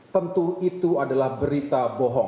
tentu itu adalah berita bohong